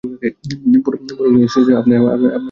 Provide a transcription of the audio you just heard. পরম নিশ্চিন্ত ছিল আপনারে নিয়ে।